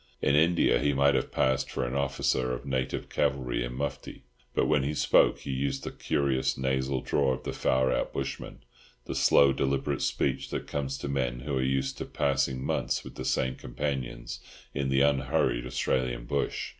In India he might have passed for an officer of native cavalry in mufti; but when he spoke he used the curious nasal drawl of the far out bushman, the slow deliberate speech that comes to men who are used to passing months with the same companions in the unhurried Australian bush.